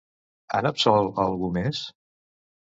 Han absolt a algú més?